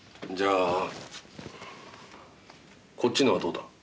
じゃあこっちのはどうだ？